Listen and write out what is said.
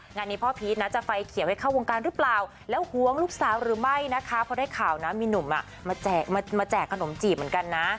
งานนี้พ่อพีชนะจะไฟเขียวให้เข้าวงการหรือเปล่าแล้วหวงลูกสาวหรือไม่นะคะเพราะได้ข่าวนะมีหนุ่มมาแจกขนมจีบเหมือนกันนะ